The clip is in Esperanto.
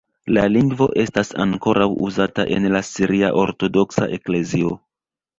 La lingvo estas ankoraŭ uzata en la siria ortodoksa eklezio.